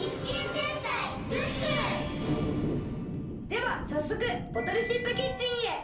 ではさっそくボトルシップキッチンへ。